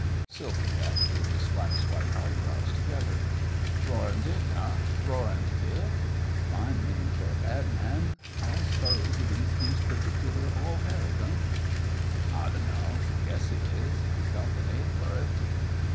Silver Jack drew his flax white eyebrows together. "Roaring Dick, eh? Roaring Dick? Fine name fer a bad man. I s'pose he thinks he's perticular all hell, don't he?" "I do'no. Guess he is. He's got th' name fer it."